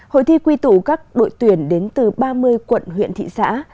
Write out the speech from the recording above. hội thi quy tụ các đội tuyển đến từ ba mươi quận huyện thị xã